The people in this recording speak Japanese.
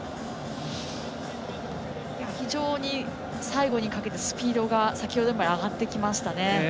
非常に最後にかけてスピードが先ほどよりも上がってきましたね。